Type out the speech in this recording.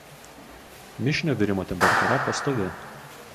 Mišinio virimo temperatūra pastovi.